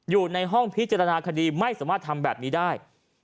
อยู่ในห้องพิจารณาคดีไม่สามารถทำแบบนี้ได้